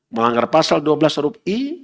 melanggar pasal dua belas huruf i